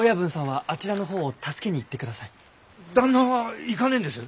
旦那は行かねえんです？